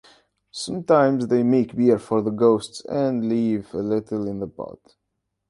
Sometimes they make beer for the ghosts and leave a little in the pot.